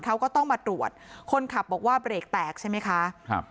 เขาก็ต้องมาตรวจคนขับบอกว่าเบรกแตกใช่ไหมคะครับ